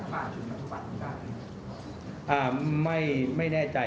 ไม่แน่ใจคิดว่าไม่ใช่